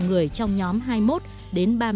người trong nhóm hai mươi một đến